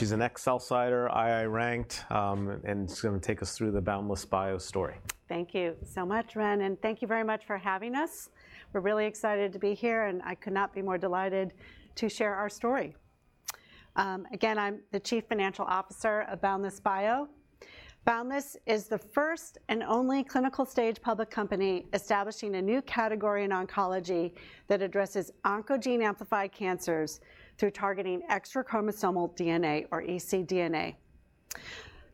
She's a sell-sider, II-ranked, and she's going to take us through the Boundless Bio story. Thank you so much, Reni, and thank you very much for having us. We're really excited to be here, and I could not be more delighted to share our story. Again, I'm the Chief Financial Officer of Boundless Bio. Boundless is the first and only clinical-stage public company establishing a new category in oncology that addresses oncogene-amplified cancers through targeting extrachromosomal DNA, or ecDNA.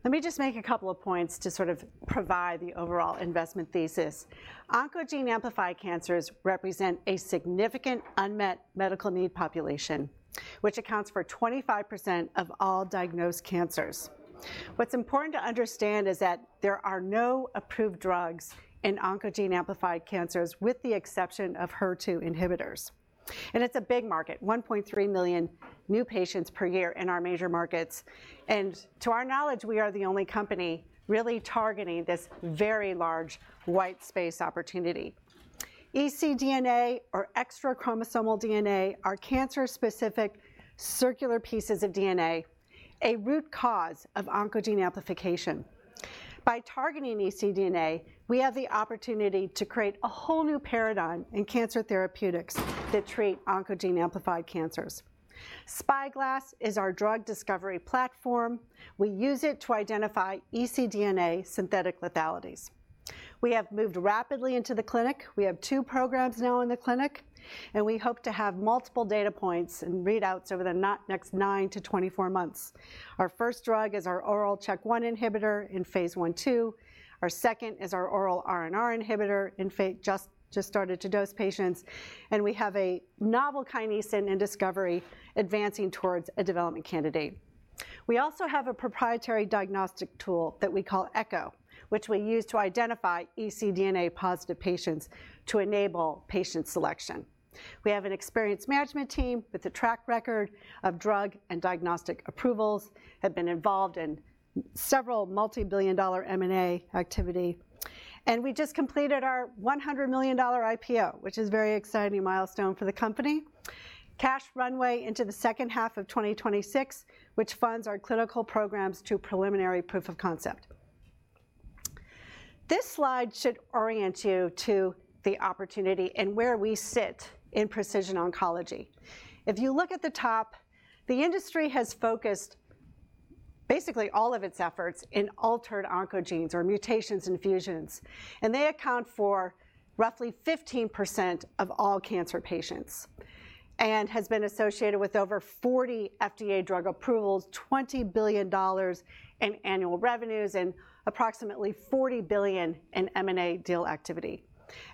Let me just make a couple of points to sort of provide the overall investment thesis. Oncogene-amplified cancers represent a significant unmet medical need population, which accounts for 25% of all diagnosed cancers. What's important to understand is that there are no approved drugs in oncogene-amplified cancers, with the exception of HER2 inhibitors. It's a big market, 1.3 million new patients per year in our major markets. To our knowledge, we are the only company really targeting this very large white space opportunity. ecDNA, or extrachromosomal DNA, are cancer-specific circular pieces of DNA, a root cause of oncogene amplification. By targeting ecDNA, we have the opportunity to create a whole new paradigm in cancer therapeutics that treat oncogene-amplified cancers. Spyglass is our drug discovery platform. We use it to identify ecDNA synthetic lethalities. We have moved rapidly into the clinic. We have two programs now in the clinic, and we hope to have multiple data points and readouts over the next 9-24 months. Our first drug is our oral CHK1 inhibitor in phase I/II. Our second is our oral RNR inhibitor and just started to dose patients. We have a novel kinesin in discovery advancing towards a development candidate. We also have a proprietary diagnostic tool that we call ECHO, which we use to identify ecDNA-positive patients to enable patient selection. We have an experienced management team with a track record of drug and diagnostic approvals, have been involved in several multibillion-dollar M&A activity. We just completed our $100 million IPO, which is a very exciting milestone for the company, cash runway into the second half of 2026, which funds our clinical programs to preliminary proof of concept. This slide should orient you to the opportunity and where we sit in precision oncology. If you look at the top, the industry has focused basically all of its efforts in altered oncogenes or mutations and fusions. They account for roughly 15% of all cancer patients and have been associated with over 40 FDA drug approvals, $20 billion in annual revenues, and approximately $40 billion in M&A deal activity.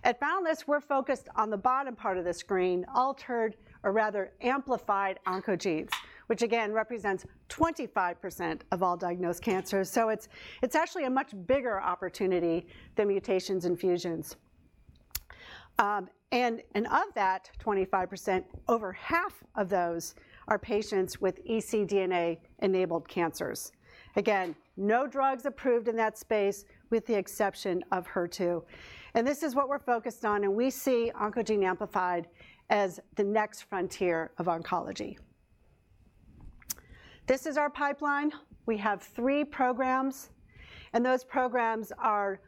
At Boundless, we're focused on the bottom part of the screen, altered or rather amplified oncogenes, which again represents 25% of all diagnosed cancers. So it's actually a much bigger opportunity than mutations and fusions. And of that 25%, over half of those are patients with ecDNA-enabled cancers. Again, no drugs approved in that space, with the exception of HER2. And this is what we're focused on. And we see oncogene-amplified as the next frontier of oncology. This is our pipeline. We have three programs. And those programs are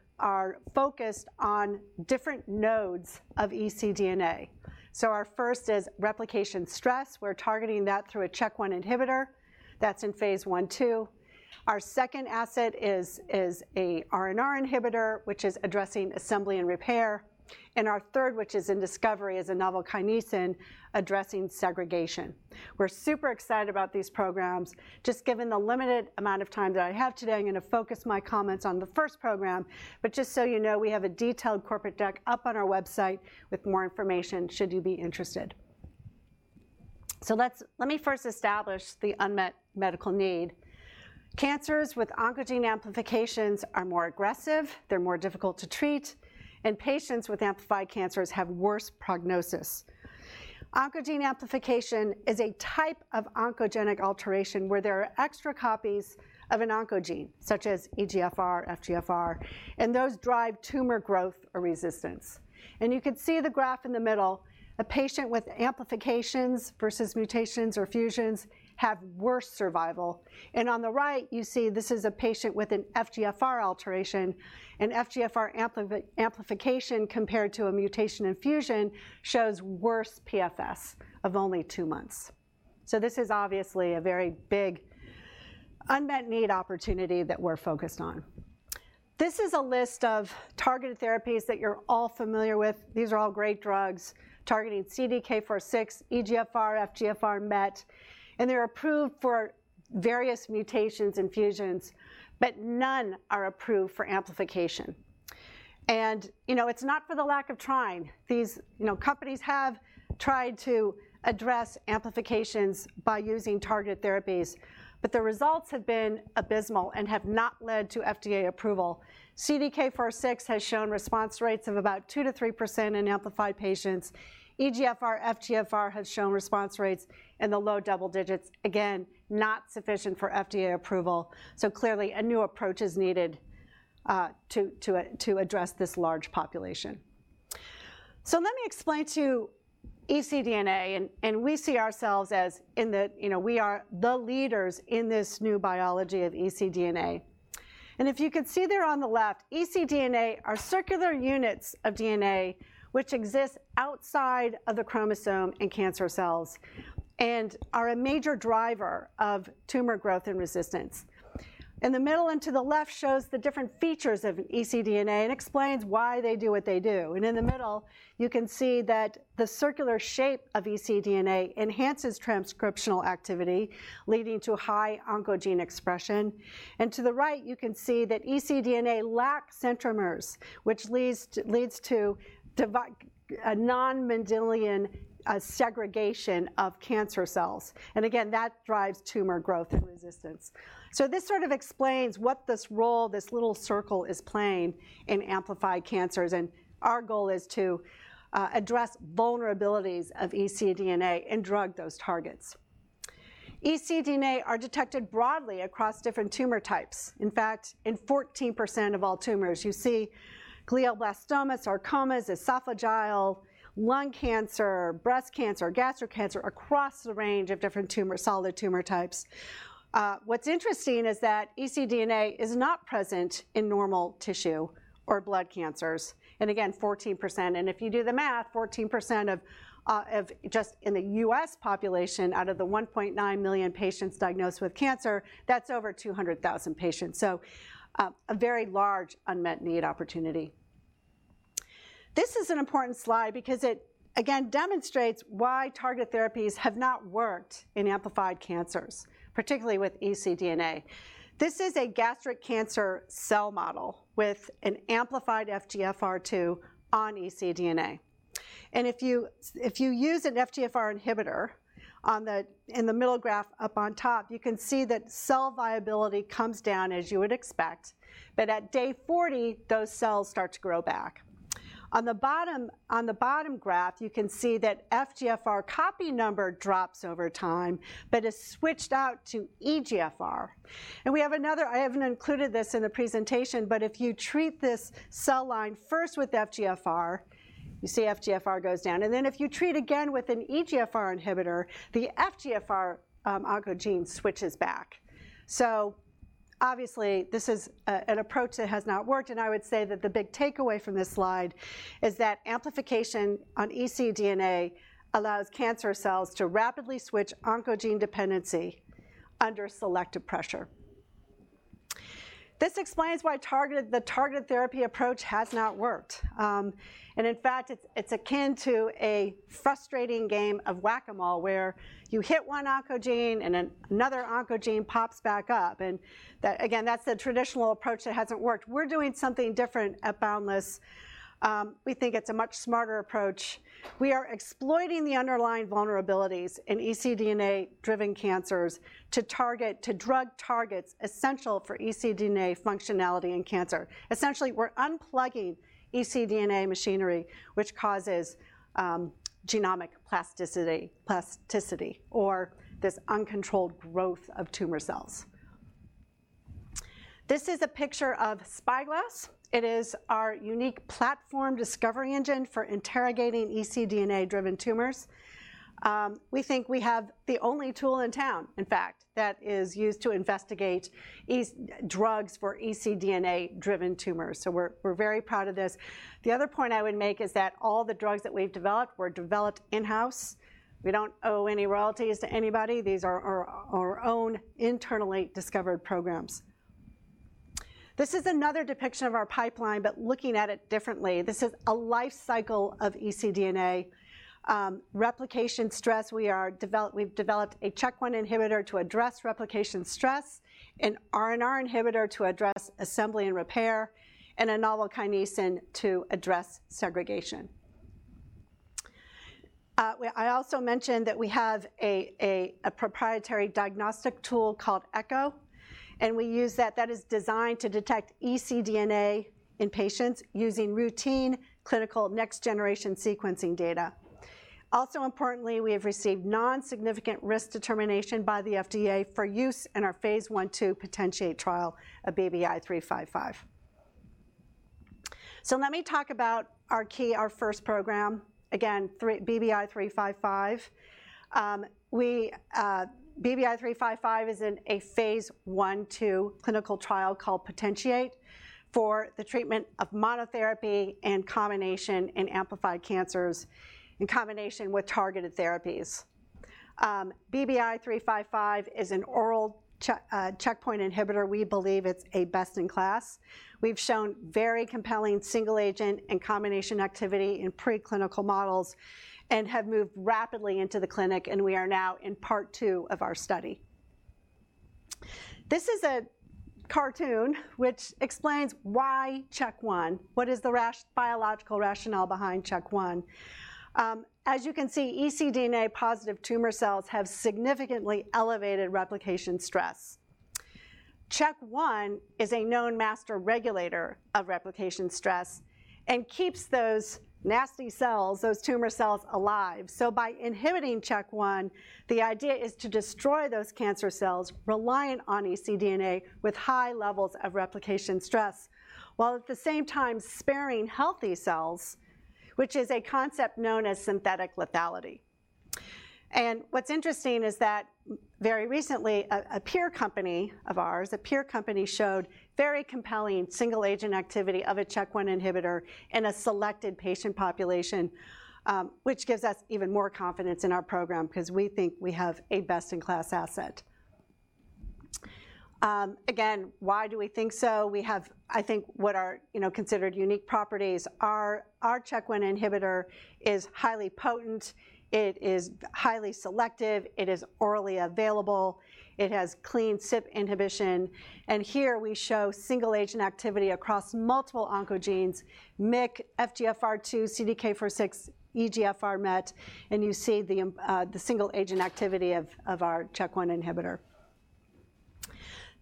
focused on different nodes of ecDNA. So our first is replication stress. We're targeting that through a CHK1 inhibitor. That's in phase I/II. Our second asset is an RNR inhibitor, which is addressing assembly and repair. And our third, which is in discovery, is a novel kinesin addressing segregation. We're super excited about these programs. Just given the limited amount of time that I have today, I'm going to focus my comments on the first program. But just so you know, we have a detailed corporate deck up on our website with more information should you be interested. So let me first establish the unmet medical need. Cancers with oncogene amplifications are more aggressive. They're more difficult to treat. And patients with amplified cancers have worse prognosis. Oncogene amplification is a type of oncogenic alteration where there are extra copies of an oncogene, such as EGFR, FGFR. And those drive tumor growth or resistance. And you can see the graph in the middle. A patient with amplifications versus mutations or fusions have worse survival. And on the right, you see this is a patient with an FGFR alteration. And FGFR amplification compared to a mutation and fusion shows worse PFS of only two months. So this is obviously a very big unmet need opportunity that we're focused on. This is a list of targeted therapies that you're all familiar with. These are all great drugs targeting CDK4/6, EGFR, FGFR, MET. They're approved for various mutations and fusions. But none are approved for amplification. And it's not for the lack of trying. These companies have tried to address amplifications by using targeted therapies. But the results have been abysmal and have not led to FDA approval. CDK4/6 has shown response rates of about 2%-3% in amplified patients. EGFR, FGFR have shown response rates in the low double digits, again not sufficient for FDA approval. So clearly, a new approach is needed to address this large population. So let me explain to you ecDNA. And we see ourselves as in the we are the leaders in this new biology of ecDNA. If you can see there on the left, ecDNA are circular units of DNA which exist outside of the chromosome in cancer cells and are a major driver of tumor growth and resistance. The middle and to the left shows the different features of ecDNA and explains why they do what they do. In the middle, you can see that the circular shape of ecDNA enhances transcriptional activity, leading to high oncogene expression. To the right, you can see that ecDNA lacks centromeres, which leads to a non-Mendelian segregation of cancer cells. Again, that drives tumor growth and resistance. So this sort of explains what this role, this little circle is playing in amplified cancers. Our goal is to address vulnerabilities of ecDNA and drug those targets. ecDNA are detected broadly across different tumor types. In fact, in 14% of all tumors, you see glioblastomas, sarcomas, esophageal, lung cancer, breast cancer, gastric cancer across the range of different solid tumor types. What's interesting is that ecDNA is not present in normal tissue or blood cancers. And again, 14%. And if you do the math, 14% of just in the U.S. population out of the 1.9 million patients diagnosed with cancer, that's over 200,000 patients. So a very large unmet need opportunity. This is an important slide because it, again, demonstrates why targeted therapies have not worked in amplified cancers, particularly with ecDNA. This is a gastric cancer cell model with an amplified FGFR2 on ecDNA. And if you use an FGFR inhibitor in the middle graph up on top, you can see that cell viability comes down, as you would expect. But at day 40, those cells start to grow back. On the bottom graph, you can see that FGFR copy number drops over time, but is switched out to EGFR. We have another. I haven't included this in the presentation. But if you treat this cell line first with FGFR, you see FGFR goes down. Then if you treat again with an EGFR inhibitor, the FGFR oncogene switches back. So obviously, this is an approach that has not worked. I would say that the big takeaway from this slide is that amplification on ecDNA allows cancer cells to rapidly switch oncogene dependency under selective pressure. This explains why the targeted therapy approach has not worked. In fact, it's akin to a frustrating game of whack-a-mole, where you hit one oncogene and another oncogene pops back up. Again, that's the traditional approach that hasn't worked. We're doing something different at Boundless. We think it's a much smarter approach. We are exploiting the underlying vulnerabilities in ecDNA-driven cancers to target drug targets essential for ecDNA functionality in cancer. Essentially, we're unplugging ecDNA machinery, which causes genomic plasticity or this uncontrolled growth of tumor cells. This is a picture of Spyglass. It is our unique platform discovery engine for interrogating ecDNA-driven tumors. We think we have the only tool in town, in fact, that is used to investigate drugs for ecDNA-driven tumors. We're very proud of this. The other point I would make is that all the drugs that we've developed were developed in-house. We don't owe any royalties to anybody. These are our own internally discovered programs. This is another depiction of our pipeline, but looking at it differently. This is a life cycle of ecDNA. Replication stress, we've developed a CHK1 inhibitor to address replication stress, an RNR inhibitor to address assembly and repair, and a novel kinesin to address segregation. I also mentioned that we have a proprietary diagnostic tool called ECHO. We use that. That is designed to detect ecDNA in patients using routine clinical next-generation sequencing data. Also importantly, we have received non-significant risk determination by the FDA for use in our phase I/II POTENTIATE trial of BBI-355. So let me talk about our key, our first program, again, BBI-355. BBI-355 is a phase I/II clinical trial called POTENTIATE for the treatment of monotherapy and combination in amplified cancers in combination with targeted therapies. BBI-355 is an oral CHK1 inhibitor. We believe it's a best in class. We've shown very compelling single agent and combination activity in preclinical models and have moved rapidly into the clinic. We are now in part two of our study. This is a cartoon which explains why CHK1. What is the biological rationale behind CHK1. As you can see, ecDNA-positive tumor cells have significantly elevated replication stress. CHK1 is a known master regulator of replication stress and keeps those nasty cells, those tumor cells, alive. By inhibiting CHK1, the idea is to destroy those cancer cells reliant on ecDNA with high levels of replication stress while at the same time sparing healthy cells, which is a concept known as synthetic lethality. What's interesting is that very recently, a peer company of ours, a peer company showed very compelling single agent activity of a CHK1 inhibitor in a selected patient population, which gives us even more confidence in our program because we think we have a best in class asset. Again, why do we think so? We have, I think, what are considered unique properties. Our CHK1 inhibitor is highly potent. It is highly selective. It is orally available. It has clean CYP inhibition. And here, we show single agent activity across multiple oncogenes, MET, FGFR2, CDK4/6, EGFR, MET. And you see the single agent activity of our CHK1 inhibitor.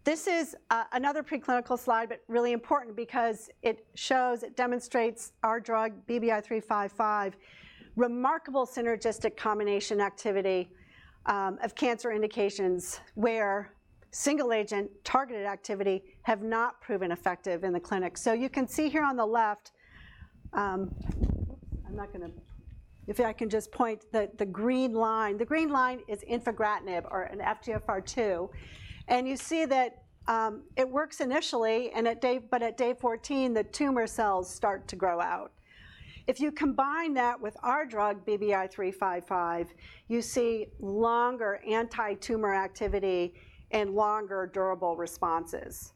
This is another preclinical slide, but really important because it shows, it demonstrates our drug BBI-355 remarkable synergistic combination activity of cancer indications where single agent targeted activity has not proven effective in the clinic. So you can see here on the left oops, I'm not going to if I can just point the green line. The green line is infigratinib for an FGFR2. And you see that it works initially. But at day 14, the tumor cells start to grow out. If you combine that with our drug BBI-355, you see longer anti-tumor activity and longer durable responses.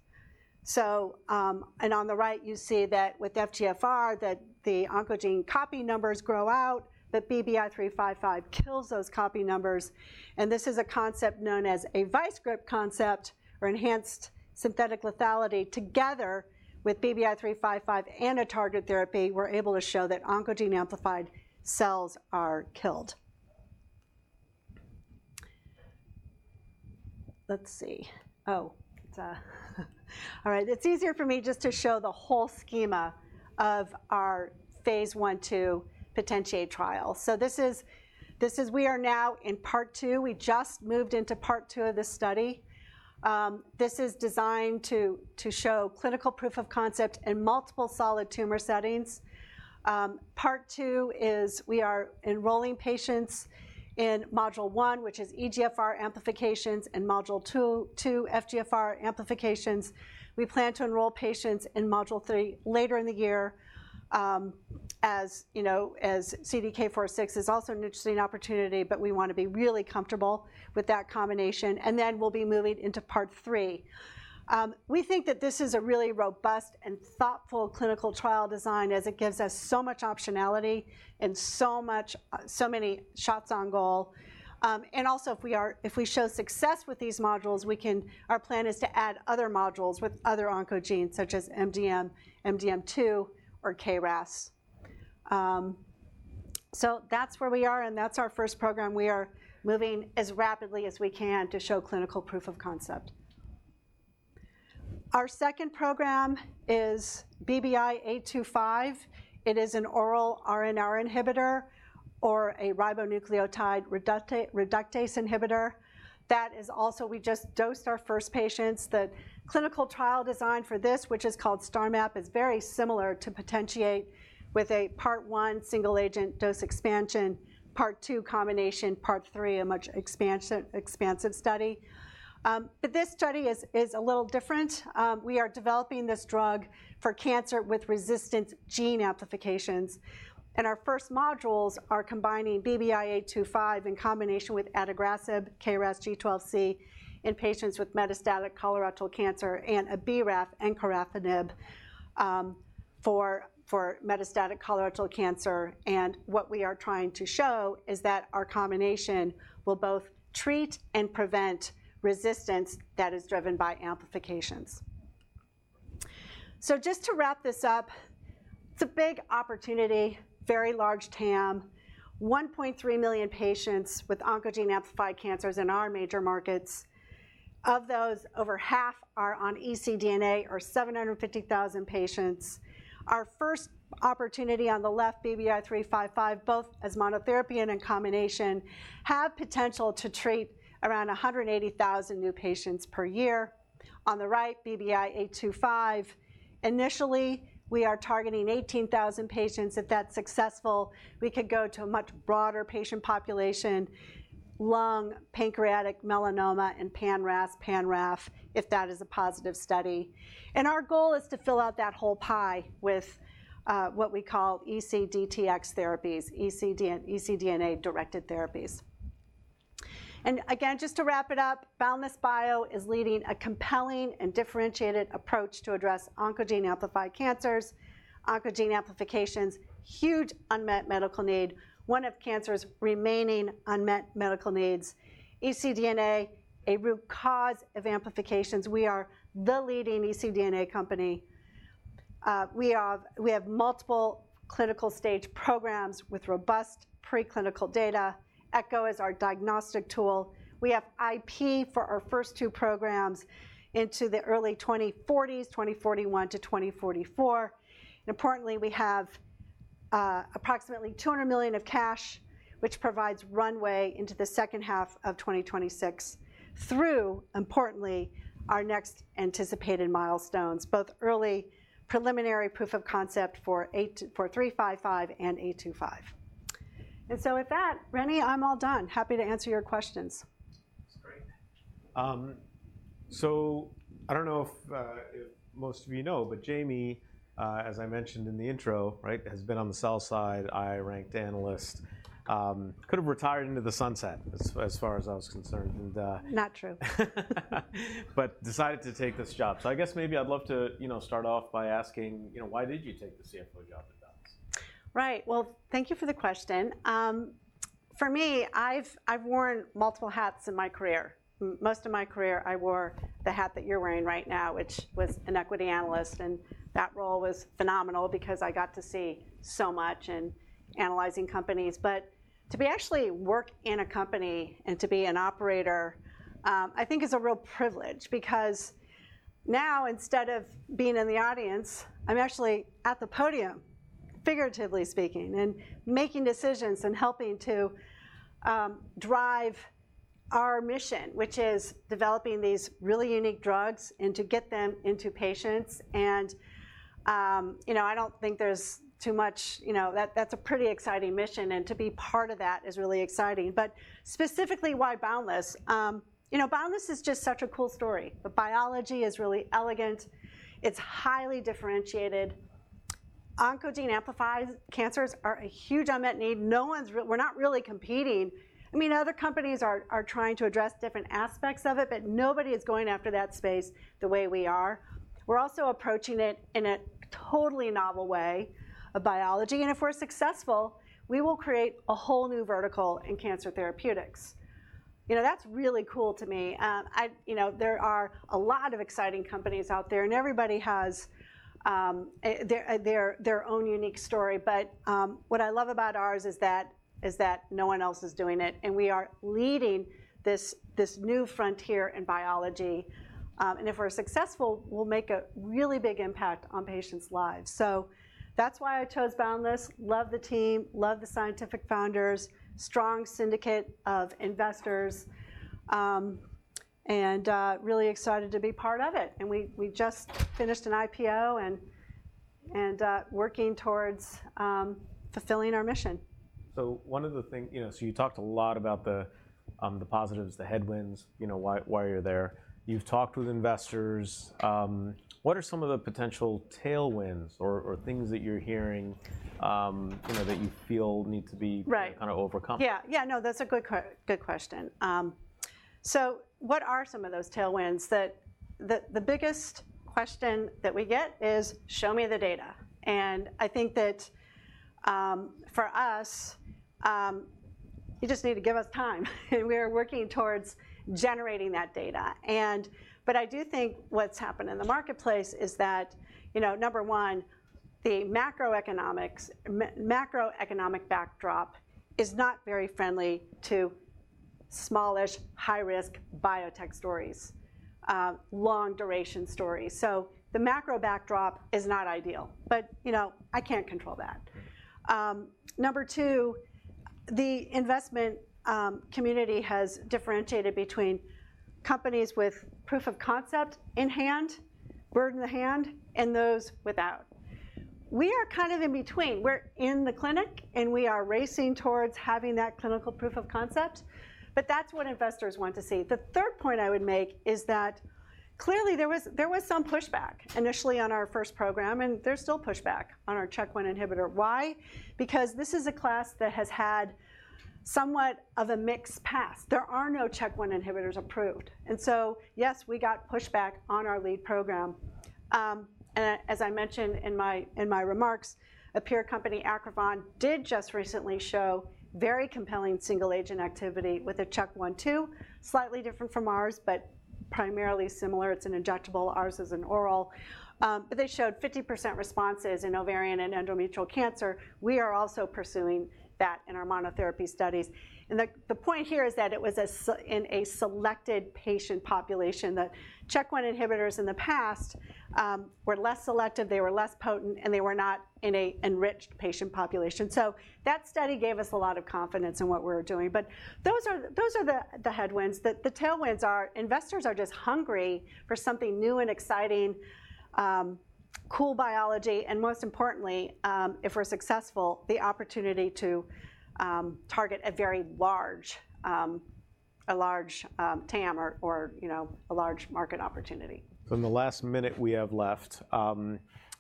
On the right, you see that with FGFR, that the oncogene copy numbers grow out. But BBI-355 kills those copy numbers. And this is a concept known as a vice grip concept or enhanced synthetic lethality. Together with BBI-355 and a targeted therapy, we're able to show that oncogene amplified cells are killed. Let's see. Oh, it's all right. It's easier for me just to show the whole schema of our phase I/II POTENTIATE trial. So this is we are now in part 2. We just moved into part 2 of this study. This is designed to show clinical proof of concept in multiple solid tumor settings. Part 2 is we are enrolling patients in module 1, which is EGFR amplifications, and module 2, FGFR amplifications. We plan to enroll patients in module three later in the year, as CDK4/6 is also an interesting opportunity. But we want to be really comfortable with that combination. And then we'll be moving into part three. We think that this is a really robust and thoughtful clinical trial design as it gives us so much optionality and so many shots on goal. And also, if we show success with these modules, our plan is to add other modules with other oncogenes, such as MDM2 or KRAS. So that's where we are. And that's our first program. We are moving as rapidly as we can to show clinical proof of concept. Our second program is BBI-825. It is an oral RNR inhibitor or a ribonucleotide reductase inhibitor. That is also, we just dosed our first patients. The clinical trial design for this, which is called STARMAP, is very similar to POTENTIATE with a part one single agent dose expansion, part two combination, part three a much expansive study. But this study is a little different. We are developing this drug for cancer with resistance gene amplifications. And our first modules are combining BBI-825 in combination with adagrasib, KRAS G12C, in patients with metastatic colorectal cancer and a BRAF, encorafenib, for metastatic colorectal cancer. And what we are trying to show is that our combination will both treat and prevent resistance that is driven by amplifications. So just to wrap this up, it's a big opportunity, very large TAM, 1.3 million patients with oncogene amplified cancers in our major markets. Of those, over half are on ecDNA, or 750,000 patients. Our first opportunity on the left, BBI-355, both as monotherapy and in combination, have potential to treat around 180,000 new patients per year. On the right, BBI-825. Initially, we are targeting 18,000 patients. If that's successful, we could go to a much broader patient population, lung, pancreatic, melanoma, and pan-RAS, pan-RAF, if that is a positive study. And our goal is to fill out that whole pie with what we call ecDTx therapies, ecDNA-directed therapies. And again, just to wrap it up, Boundless Bio is leading a compelling and differentiated approach to address oncogene-amplified cancers, oncogene amplifications, huge unmet medical need, one of cancer's remaining unmet medical needs, ecDNA, a root cause of amplifications. We are the leading ecDNA company. We have multiple clinical stage programs with robust preclinical data. ECHO is our diagnostic tool. We have IP for our first two programs into the early 2040s, 2041 to 2044. Importantly, we have approximately $200 million of cash, which provides runway into the second half of 2026 through, importantly, our next anticipated milestones, both early preliminary proof of concept for 355 and 825. So with that, Reni, I'm all done. Happy to answer your questions. That's great. So I don't know if most of you know. But Jami, as I mentioned in the intro, has been on the sell side, top-ranked analyst, could have retired into the sunset as far as I was concerned. Not true. But decided to take this job. So I guess maybe I'd love to start off by asking, why did you take the CFO job at Boundless? Right. Well, thank you for the question. For me, I've worn multiple hats in my career. Most of my career, I wore the hat that you're wearing right now, which was an equity analyst. And that role was phenomenal because I got to see so much in analyzing companies. But to be actually working in a company and to be an operator, I think, is a real privilege because now, instead of being in the audience, I'm actually at the podium, figuratively speaking, and making decisions and helping to drive our mission, which is developing these really unique drugs and to get them into patients. And I don't think there's too much that's a pretty exciting mission. And to be part of that is really exciting. But specifically, why Boundless? Boundless is just such a cool story. The biology is really elegant. It's highly differentiated. Oncogene amplified cancers are a huge unmet need. We're not really competing. I mean, other companies are trying to address different aspects of it. But nobody is going after that space the way we are. We're also approaching it in a totally novel way of biology. And if we're successful, we will create a whole new vertical in cancer therapeutics. That's really cool to me. There are a lot of exciting companies out there. And everybody has their own unique story. But what I love about ours is that no one else is doing it. And we are leading this new frontier in biology. And if we're successful, we'll make a really big impact on patients' lives. So that's why I chose Boundless. Love the team. Love the scientific founders, strong syndicate of investors, and really excited to be part of it. We just finished an IPO and working towards fulfilling our mission. So one of the things you talked a lot about the positives, the headwinds, why you're there. You've talked with investors. What are some of the potential tailwinds or things that you're hearing that you feel need to be kind of overcome? Yeah. Yeah. No, that's a good question. So what are some of those tailwinds? The biggest question that we get is, show me the data. And I think that for us, you just need to give us time. And we are working towards generating that data. But I do think what's happened in the marketplace is that, number one, the macroeconomic backdrop is not very friendly to smallish, high-risk biotech stories, long-duration stories. So the macro backdrop is not ideal. But I can't control that. Number two, the investment community has differentiated between companies with proof of concept in hand, bird in the hand, and those without. We are kind of in between. We're in the clinic. And we are racing towards having that clinical proof of concept. But that's what investors want to see. The third point I would make is that clearly, there was some pushback initially on our first program. There's still pushback on our CHK1 inhibitor. Why? Because this is a class that has had somewhat of a mixed past. There are no CHK1 inhibitors approved. So yes, we got pushback on our lead program. As I mentioned in my remarks, a peer company, Acrivon, did just recently show very compelling single agent activity with a CHK1/2, slightly different from ours, but primarily similar. It's an injectable. Ours is an oral. But they showed 50% responses in ovarian and endometrial cancer. We are also pursuing that in our monotherapy studies. The point here is that it was in a selected patient population. The CHK1 inhibitors in the past were less selective. They were less potent. They were not in an enriched patient population. That study gave us a lot of confidence in what we were doing. Those are the headwinds. The tailwinds are investors are just hungry for something new and exciting, cool biology. Most importantly, if we're successful, the opportunity to target a very large TAM or a large market opportunity. In the last minute we have left,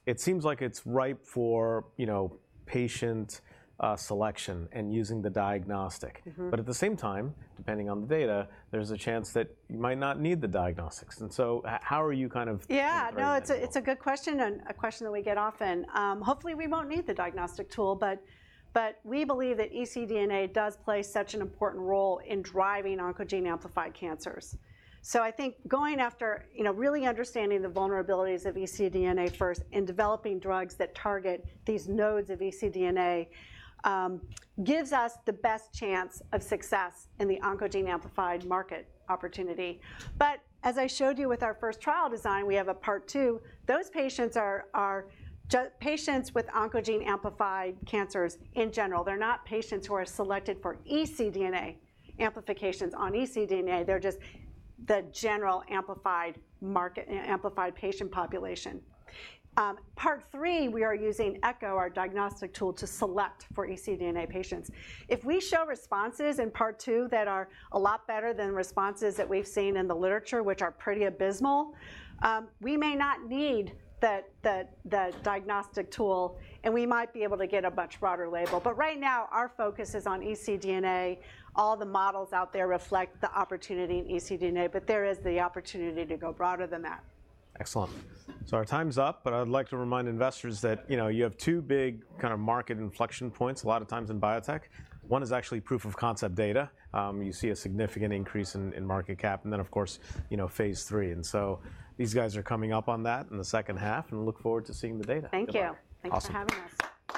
it seems like it's ripe for patient selection and using the diagnostic. But at the same time, depending on the data, there's a chance that you might not need the diagnostics. And so how are you kind of? Yeah. No, it's a good question and a question that we get often. Hopefully, we won't need the diagnostic tool. But we believe that ecDNA does play such an important role in driving oncogene amplified cancers. So I think going after really understanding the vulnerabilities of ecDNA first and developing drugs that target these nodes of ecDNA gives us the best chance of success in the oncogene amplified market opportunity. But as I showed you with our first trial design, we have a part two. Those patients are patients with oncogene amplified cancers in general. They're not patients who are selected for ecDNA amplifications on ecDNA. They're just the general amplified patient population. Part three, we are using ECHO, our diagnostic tool, to select for ecDNA patients. If we show responses in part two that are a lot better than responses that we've seen in the literature, which are pretty abysmal, we may not need the diagnostic tool. And we might be able to get a much broader label. But right now, our focus is on ecDNA. All the models out there reflect the opportunity in ecDNA. But there is the opportunity to go broader than that. Excellent. So our time's up. But I'd like to remind investors that you have two big kind of market inflection points a lot of times in biotech. One is actually proof of concept data. You see a significant increase in market cap. And then, of course, phase III. And so these guys are coming up on that in the second half. And look forward to seeing the data. Thank you. Thanks for having us.